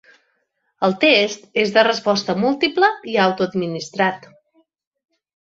El test és de resposta múltiple i autoadministrat.